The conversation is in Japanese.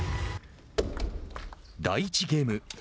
第１ゲーム。